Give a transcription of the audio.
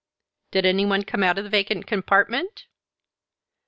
"Did any one come out of the vacant compartment?"